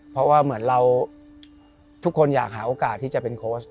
เพราะว่าเหมือนเราทุกคนอยากหาโอกาสที่จะเป็นโค้ช